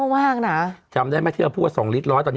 พี่โอ๊คบอกว่าเขินถ้าต้องเป็นเจ้าภาพเนี่ยไม่ไปร่วมงานคนอื่นอะได้